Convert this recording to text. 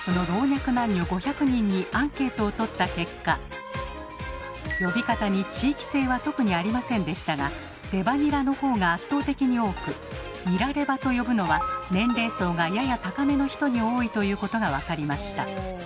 えと呼び方に地域性は特にありませんでしたが「レバニラ」の方が圧倒的に多く「ニラレバ」と呼ぶのは年齢層がやや高めの人に多いということが分かりました。